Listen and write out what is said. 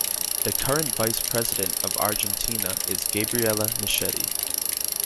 The current Vice President of Argentina is Gabriela Michetti.